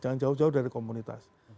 jangan jauh jauh dari komunitas